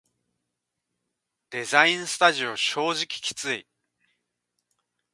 デザインスタジオ正直きつい